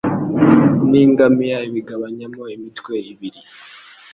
n ingamiya abigabanyamo imitwe ibiri